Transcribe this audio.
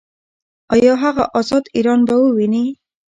ایا هغه ازاد ایران به وویني؟